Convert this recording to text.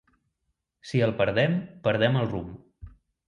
Si el perdem perdem el rumb.